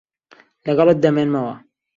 لەگەڵت دەمێنمەوە.